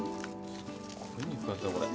すっごい肉厚だこれ。